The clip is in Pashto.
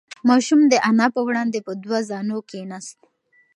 ماشوم د انا په وړاندې په دوه زانو کښېناست.